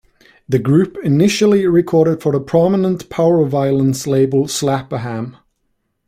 The group initially recorded for the prominent powerviolence label Slap-a-Ham.